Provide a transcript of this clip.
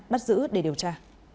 bắt giữ để điều tra